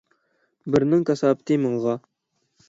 بىرنىڭ كاساپىتى مىڭغا.